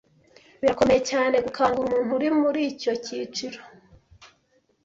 Birakomeye cyane gukangura umuntu uri muri icyo kiciro,